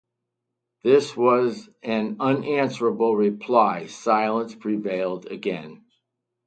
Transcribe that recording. This was an unanswerable reply, and silence prevailed again.